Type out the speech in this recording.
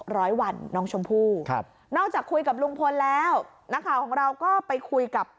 ร้อยวันน้องชมพู่ครับนอกจากคุยกับลุงพลแล้วนักข่าวของเราก็ไปคุยกับ